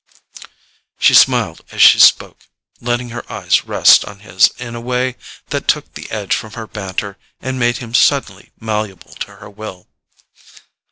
She smiled as she spoke, letting her eyes rest on his in a way that took the edge from her banter and made him suddenly malleable to her will.